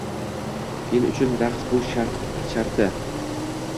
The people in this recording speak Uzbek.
Men uchun raqs bu.... sharti!